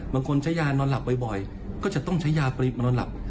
บางคนใช้ยานอนหลับบ่อยก็จะต้องใช้ยาปรีมานอนหลับ